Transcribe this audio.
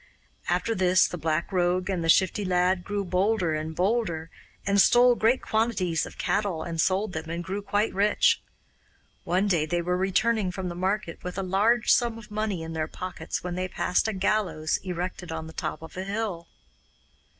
After this the Black Rogue and the Shifty Lad grew bolder and bolder, and stole great quantities of cattle and sold them and grew quite rich. One day they were returning from the market with a large sum of money in their pockets when they passed a gallows erected on the top of a hill.